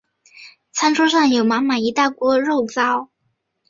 餐桌上有满满一大锅肉燥